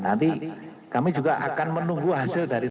nanti kami juga akan menunggu hasil dari